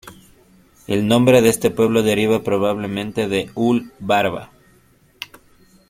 El nombre de este pueblo deriva probablemente de "ul", "barba".